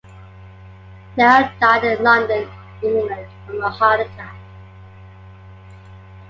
Neill died in London, England, from a heart attack.